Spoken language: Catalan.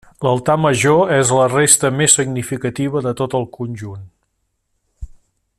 L'Altar major és la resta més significativa de tot el conjunt.